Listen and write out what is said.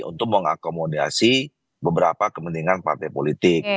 untuk mengakomodasi beberapa kepentingan partai politik